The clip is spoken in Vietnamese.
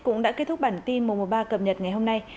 cũng đã kết thúc bản tin mùa một mươi ba cập nhật ngày hôm nay